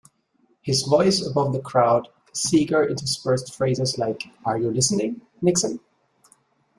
His voice above the crowd, Seeger interspersed phrases like, Are you listening, Nixon?